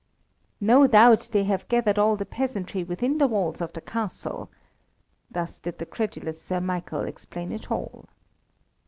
"No doubt they have gathered all the peasantry within the walls of the castle." Thus did the credulous Sir Michael explain it all.